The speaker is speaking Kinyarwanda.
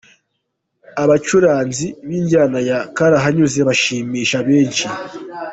Abacuranzi b'injyana ya Karahanyuze bashimisha benshi.